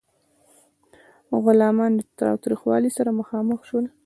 غلامان تاوتریخوالي سره مخامخ شول.